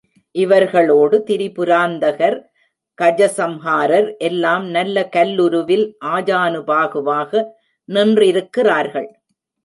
இவர்களோடு திரிபுராந்தகர், கஜசம்ஹாரர் எல்லாம் நல்ல கல்லுருவில் ஆஜானுபாகுவாக நின்றிருக்கிறார்கள்.